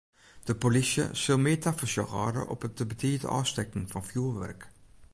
De polysje sil mear tafersjoch hâlde op it te betiid ôfstekken fan fjoerwurk.